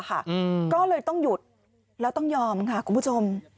ก็เลยต้องหยุดแล้วต้องยอมค่ะคุณผู้ชม